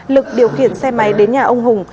lực điều khiển xe máy đến nhà ông hùng